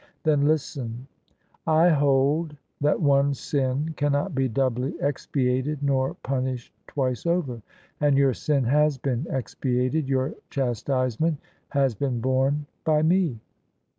"Then listen. I hold that one sin cannot be doubly expiated nor pimished twice over; and your sin has been expiated, your chastisement has been borne, by me.